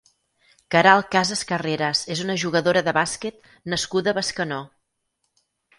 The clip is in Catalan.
Queralt Casas Carreras és una jugadora de bàsquet nascuda a Bescanó.